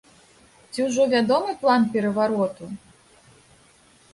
Ці ўжо вядомы план перавароту?